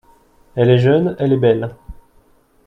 Elle est jeune, elle est belle.